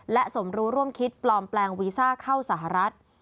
และสมรู้ร่วมคิดปลอมแปลงวีซ่าเข้าสหรัฐ